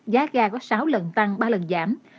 giá ga có sáu lần tăng ba lần giảm